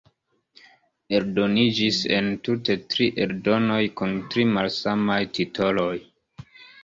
Eldoniĝis entute tri eldonoj kun tri malsamaj titoloj.